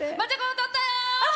歌ったよ！